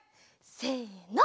せの。